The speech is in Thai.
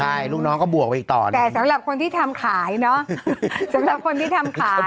น่ะลูกน้องก็บวกเอาอีกต่อเลยแต่สำหรับคนที่ทำขายเนอะ